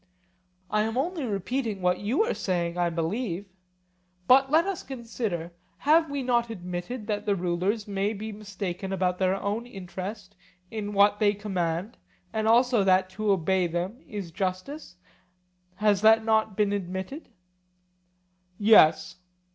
I am only repeating what you are saying, I believe. But let us consider: Have we not admitted that the rulers may be mistaken about their own interest in what they command, and also that to obey them is justice? Has not that been admitted? Yes.